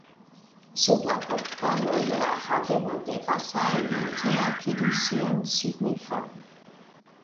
Sub la portugaloj la haveno de Vasai reakiris sian signifon.